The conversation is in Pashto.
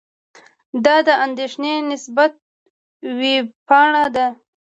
دا د اندېښې بنسټ وېبپاڼه ده.